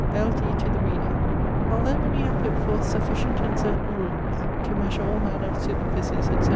'L. D. to the Reader Although many have put forth sufficient and certain rules to measure all manner of superficies, etc.